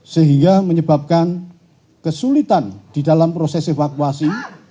sehingga menyebabkan kesulitan di dalam proses evakuasi